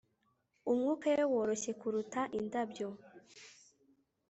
umwuka we woroshye kuruta indabyo